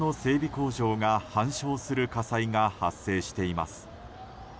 工場が半焼する火災が発生しています。